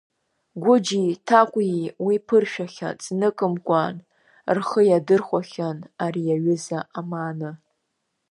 Гыџьи Ҭакәии уи ԥыршәахьан, зныкымкәан рхы иадырхәахьан уи аҩыза амаана.